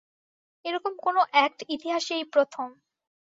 এরকম কোনো অ্যাক্ট ইতিহাসে এই প্রথম।